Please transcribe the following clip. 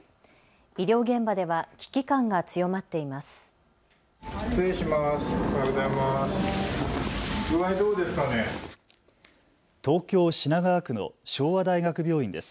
医療現場では危機感が強まっています。